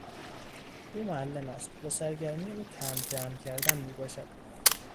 او معلم است و سرگرمی او تمبر جمع کردن میباشد.